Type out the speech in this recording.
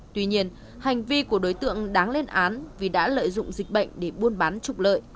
tuy nhiên hành vi của đối tượng đáng lên án vì đã lợi dụng dịch bệnh để buôn bán trục lợi